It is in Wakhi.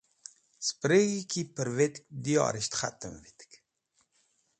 Spreg̃hi ki pẽrvẽtk diyorisht khatẽm vit.